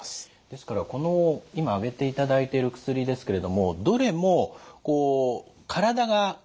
ですからこの今挙げていただいてる薬ですけれどもどれもこう体が薬に慣れてしまう。